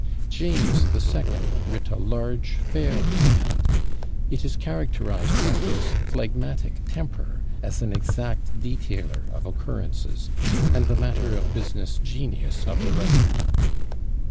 "James the Second writ a large fair hand." It is characterised by his phlegmatic temper, as an exact detailer of occurrences, and the matter of business genius of the writer.